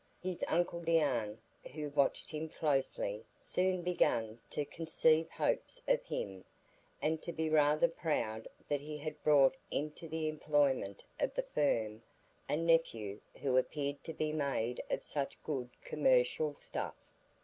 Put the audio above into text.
His uncle Deane, who watched him closely, soon began to conceive hopes of him, and to be rather proud that he had brought into the employment of the firm a nephew who appeared to be made of such good commercial stuff.